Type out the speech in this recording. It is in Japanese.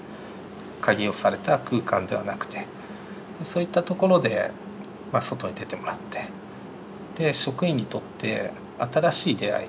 鍵をされた空間ではなくてそういったところで外に出てもらって職員にとって新しい出会い